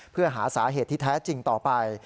เพื่อหาสาเหตุที่แท้จริงต่อไป